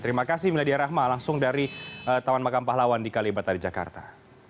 terima kasih mildi rahma langsung dari taman magam pahlawan di kalibata di jakarta